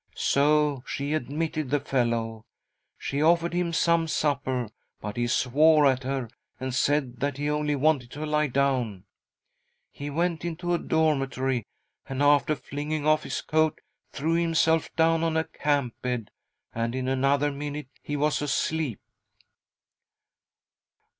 So A CALL FROM THE PAST 77 she admitted the fellow. She offered him some supper, but he swore at her and said that he only wanted to he down. He went into a dormitory, and, after flinging off his coat, threw himself down on a camp bed, and in another minute he was asleep."